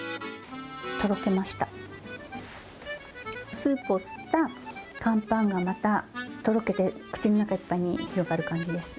スープを吸った乾パンが、またとろけて口の中いっぱいに広がる感じです。